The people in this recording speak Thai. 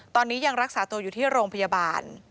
ตอนนี้ยังรักษาตัวอยู่ที่โรงพยาบาล